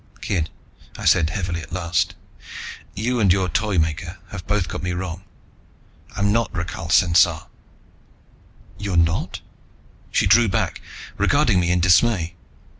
"Kid," I said heavily at last, "you and your Toymaker have both got me wrong. I'm not Rakhal Sensar." "You're not?" She drew back, regarding me in dismay.